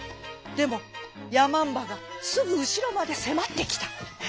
でもやまんばがすぐうしろまでせまってきた。